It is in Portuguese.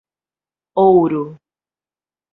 Ouro